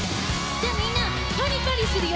じゃあみんなパリパリするよ。